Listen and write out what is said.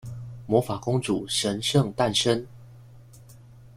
魔法公主神聖誕生